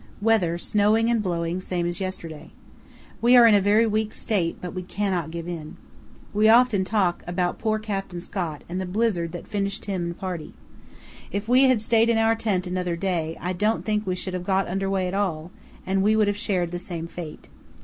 Weather, snowing and blowing same as yesterday. We are in a very weak state, but we cannot give in. We often talk about poor Captain Scott and the blizzard that finished him and party. If we had stayed in our tent another day I don't think we should have got under way at all, and we would have shared the same fate.